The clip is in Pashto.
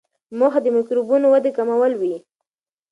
موخه د میکروبونو ودې کمول وي.